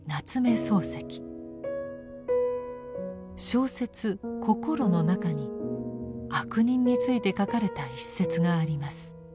小説「こころ」の中に「悪人」について書かれた一節があります。